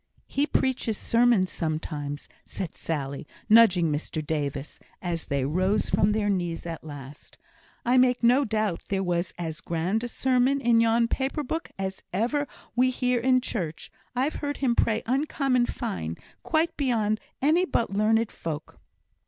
"He preaches sermons sometimes," said Sally, nudging Mr Davis, as they rose from their knees at last. "I make no doubt there was as grand a sermon in yon paper book as ever we hear in church. I've heard him pray uncommon fine quite beyond any but learned folk."